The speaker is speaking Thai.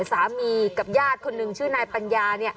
สามีกับญาติคนหนึ่งชื่อนายปัญญา